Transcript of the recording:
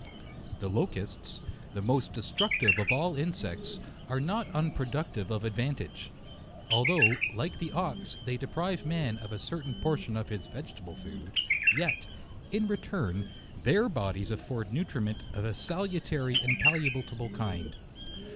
The locusts, the most destructive of all in sects, are not unproductive of advantage. Al though, like the ox, they deprive man of a certain portion of his vegetable food, yet, in JUXL. 121 return, their bodies afford nutriment of a salu tary and palatable kind.